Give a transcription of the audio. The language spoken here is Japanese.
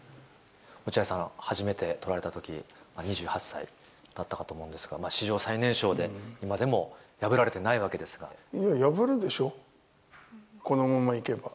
落合さん、初めて取られたとき２８歳だったかと思うんですが、史上最年少で、破るでしょ、このままいけば。